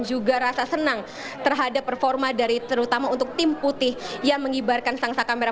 juga rasa senang terhadap performa dari terutama untuk tim putih yang mengibarkan sangsa kamera